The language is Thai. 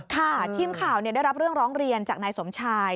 ทีมข่าวได้รับเรื่องร้องเรียนจากนายสมชาย